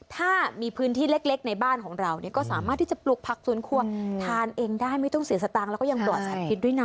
ถ้ามีพื้นที่เล็กในบ้านของเราก็สามารถที่จะปลูกผักสวนครัวทานเองได้ไม่ต้องเสียสตางค์แล้วก็ยังปลอดสารพิษด้วยนะ